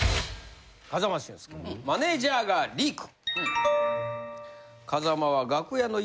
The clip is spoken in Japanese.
風間俊介にマネジャーがリーク！